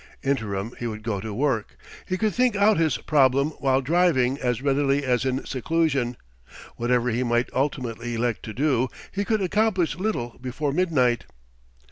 Interim, he would go to work. He could think out his problem while driving as readily as in seclusion; whatever he might ultimately elect to do, he could accomplish little before midnight.